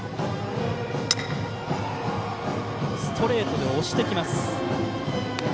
ストレートで押してきます。